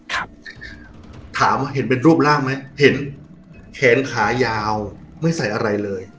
ถามว่าเห็นเป็นรูปร่างไหมเห็นแขนขายาวไม่ใส่อะไรเลย